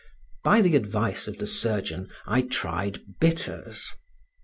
By the advice of the surgeon I tried bitters.